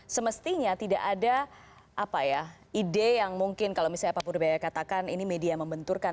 semestinya tidak ada ide yang mungkin kalau misalnya pak purbaya katakan ini media membenturkan